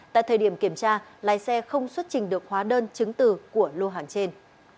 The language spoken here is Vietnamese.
tại thời điểm kiểm tra lái xe không xuất trình được hóa đơn chứng từ của lô hàng trên